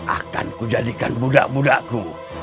akanku jadikan budak budakku